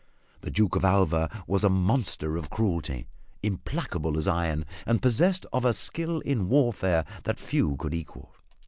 The Duke of Alva was a monster of cruelty, implacable as iron, and possessed of a skill in warfare that few could equal.